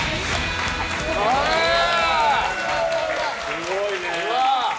すごいね。